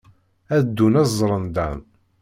Ad ddun ad ẓren Dan.